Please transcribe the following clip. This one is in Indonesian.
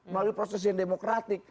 melalui proses yang demokratik